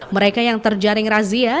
mereka yang terjaring razia